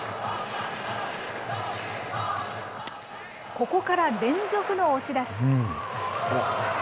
ここから連続の押し出し。